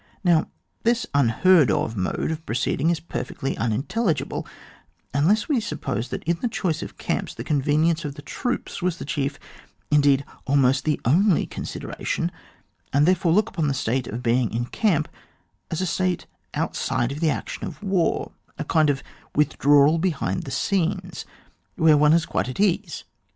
This now imheard of mode of proceeding is perfectly unintelligible, unless we suppose that in the choice of oamps the convenience of the troops was the chief, indeed almost the only consideration, and therefore look upon the state of being in camp as a state outside of the action of war, a kind of withdrawal behind the scenes, where one is quite at ease.